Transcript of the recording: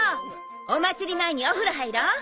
お祭り前にお風呂入ろ！